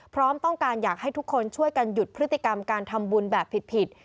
พร้อมต้องการอยากให้ทุกคนช่วยกันหยุดพฤติกรรมการทำบุญแบบผิด